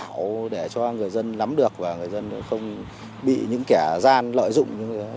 chúng tôi thường xuyên chỉ đạo để cho người dân lắm được và người dân không bị những kẻ gian lợi dụng